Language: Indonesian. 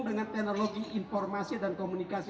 dengan teknologi informasi dan komunikasi